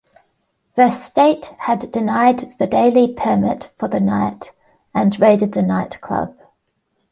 The State had denied the daily permit for the night and raided the nightclub.